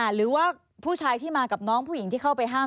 หรือว่าผู้ชายที่มากับน้องผู้หญิงที่เข้าไปห้าม